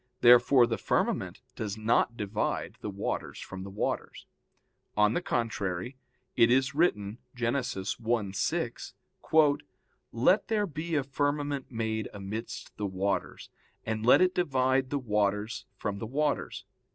Therefore the firmament does not divide the waters from the waters. On the contrary, It is written (Gen. 1:6): "Let there be a firmament made amidst the waters; and let it divide the waters from the waters."